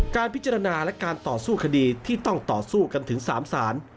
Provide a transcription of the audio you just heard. การพิจารณาและการต่อสู้คดีที่ต้องต่อสู้กันถึง๓ศาล